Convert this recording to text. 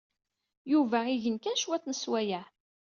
Yuba igen kan cwiṭ n sswayeɛ.